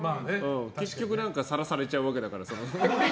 結局さらされちゃうわけだから。